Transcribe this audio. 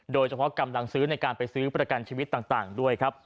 โดยเฉพาะกำหนังซื้อในการไปซื้อประกาศชีวิตต่างด้วย